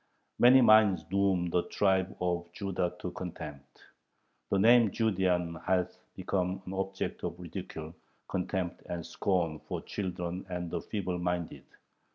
"Many minds doom the tribe of Judah to contempt. The name 'Judean' hath become an object of ridicule, contempt, and scorn for children and the feeble minded."